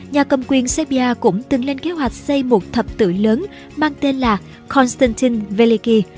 nhà cầm quyền serbia cũng từng lên kế hoạch xây một thập tử lớn mang tên là constantin veliki